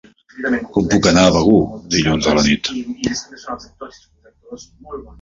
Com puc anar a Begur dilluns a la nit?